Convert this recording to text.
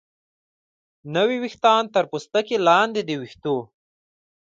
نوي ویښتان تر پوستکي لاندې د ویښتو